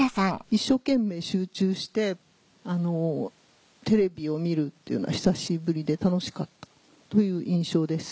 一生懸命集中してテレビを見るっていうのは久しぶりで楽しかったという印象です。